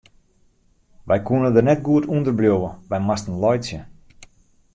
Wy koene der net goed ûnder bliuwe, wy moasten laitsje.